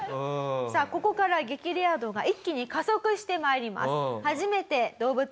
さあここから激レア度が一気に加速して参ります。